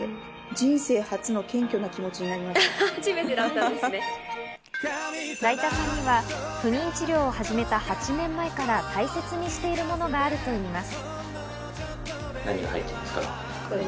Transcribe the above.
だいたさんには不妊治療を始めた８年前から大切にしているものがあるといいます。